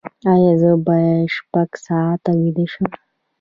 ایا زه باید شپږ ساعته ویده شم؟